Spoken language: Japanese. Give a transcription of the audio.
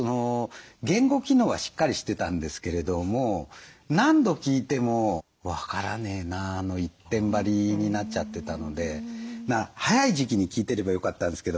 言語機能はしっかりしてたんですけれども何度聞いても「分からねえな」の一点張りになっちゃってたのでまあ早い時期に聞いてればよかったんですけど。